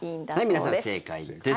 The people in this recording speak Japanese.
皆さん、正解です。